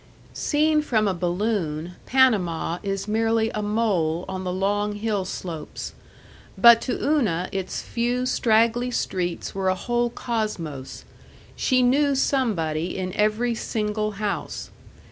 Seen from a balloon, Panama is merely a mole on the long hill slopes. But to Una its few straggly streets were a whole cosmos. She knew somebody in every single house.